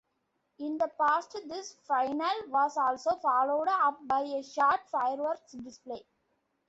In the past, this finale was also followed up by a short fireworks display.